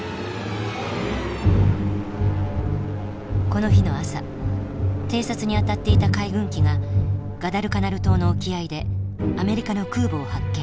この日の朝偵察に当たっていた海軍機がガダルカナル島の沖合でアメリカの空母を発見。